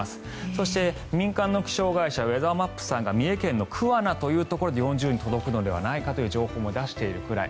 そして、民間の気象会社ウェザーマップさんが三重県の桑名というところで４０度に届くのではないかという情報も出しているくらい。